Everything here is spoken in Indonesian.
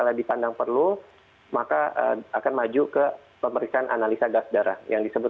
tapi saya berikutnya maaf sama playing series tersebut